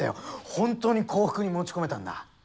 本当に降伏に持ち込めたんだ。